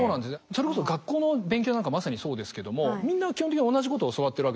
それこそ学校の勉強なんかまさにそうですけどもみんな基本的に同じことを教わってるわけですよね。